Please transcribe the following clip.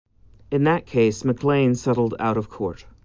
In that case McLean settled out of court.